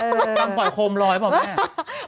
กำลังปล่อยโคมลอยบอกแม่